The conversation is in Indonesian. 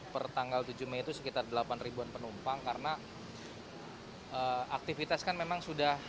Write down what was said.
per tanggal tujuh mei itu sekitar delapan ribuan penumpang karena aktivitas kan memang sudah